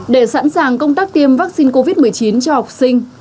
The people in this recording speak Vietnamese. để sẵn sàng công tác tiêm vaccine covid một mươi chín cho học sinh